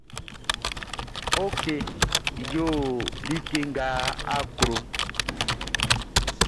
Ok yo like nʼga a klo.